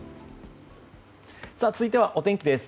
続いてはお天気です。